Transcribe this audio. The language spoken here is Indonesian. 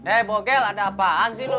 eh bogel ada apaan sih lo